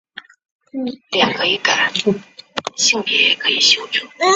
已被定为第二批上海市优秀历史建筑。